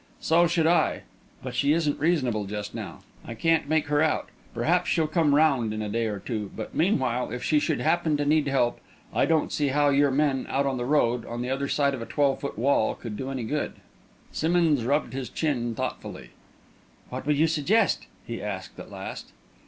"So should I but she isn't reasonable, just now. I can't make her out. Perhaps she'll come round in a day or two, but meanwhile, if she should happen to need help, I don't see how your men out on the road, on the other side of a twelve foot wall, could do any good." Simmonds rubbed his chin thoughtfully. "What would you suggest?" he asked, at last.